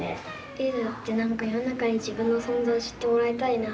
えだって何か世の中に自分の存在を知ってもらいたいなって。